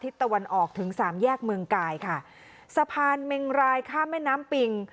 ตะวันออกถึงสามแยกเมืองกายค่ะสะพานเมงรายข้ามแม่น้ำปิง